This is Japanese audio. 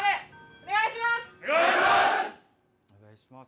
お願いします！